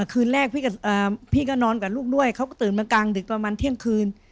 คืนแรกพี่ก็นอนกับลูกด้วยเขาก็ตื่นมากลางดึกประมาณเที่ยงคืน